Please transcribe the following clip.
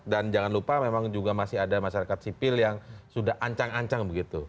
dan jangan lupa memang juga masih ada masyarakat sipil yang sudah ancang ancang begitu